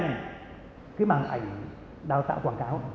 cái màn ảnh đào tạo quảng cáo